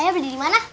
ayah beli di mana